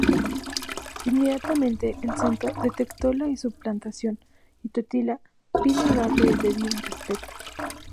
Inmediatamente el Santo detectó la suplantación, y Totila vino a darle el debido respeto.